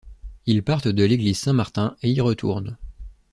Ils partent de l'église Saint-Martin et y retournent.